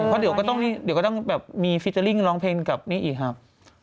เพราะเดี๋ยวก็ต้องแบบมีฟิเจอร์ลิ่งร้องเพลงกับนี่อีกครับ